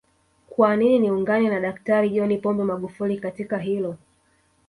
Kwanini niungane na Daktari John Pombe Magufuli katika hilo